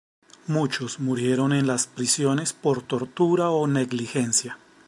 Muchos murieron en las prisiones por tortura o negligencia.